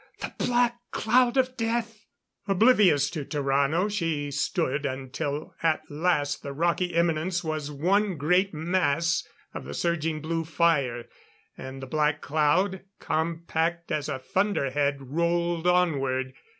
The black cloud of death!"_ Oblivious to Tarrano she stood until at last the rocky eminence was one great mass of the surging blue fire. And the black cloud, compact as a thunder head, rolled onward.